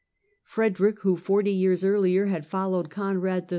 Frederick, who, forty 1189^ ^' years earlier, had followed Conrad III.